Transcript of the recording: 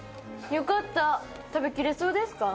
よかった食べ切れそうですか？